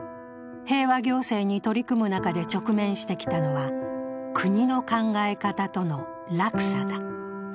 平和行政に取り組む中で直面してきたのは国の考え方との落差だ。